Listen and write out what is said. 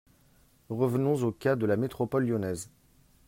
Revenons au cas de la métropole lyonnaise.